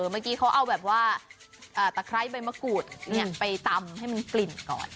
เมื่อกี้เขาเอาแบบว่าตะไคร้ใบมะกรูดไปตำให้มันกลิ่นก่อน